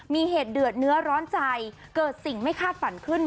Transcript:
มีเหตุเดือดเนื้อร้อนใจเกิดสิ่งไม่คาดฝันขึ้น